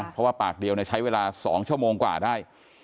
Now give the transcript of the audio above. เพราะว่าปากเดียวใช้เวลา๒ชั่วโมงกว่าได้